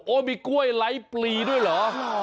มีกล้วยไร้ปลีด้วยเหรอ